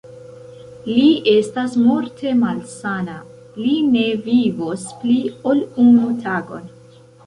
Li estas morte malsana, li ne vivos pli, ol unu tagon.